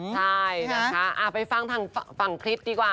ใช่นะคะไปฟังทางฝั่งคลิปดีกว่า